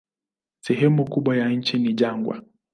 Sehemu kubwa ya nchi ni jangwa.